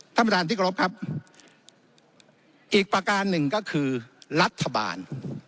ท่านประธานที่กรบครับอีกประการหนึ่งก็คือรัฐบาล